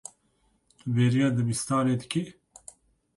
Tu bêriya dibistanê dikî.